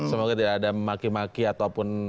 semoga tidak ada maki maki ataupun